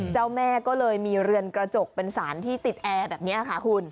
เจ้าแม่ก็เลยมีเรือนกระจกเป็นสารที่ติดแอร์แบบนี้ค่ะคุณ